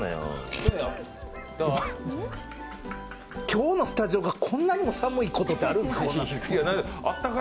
今日のスタジオがこんなにも寒いことってあるんですか。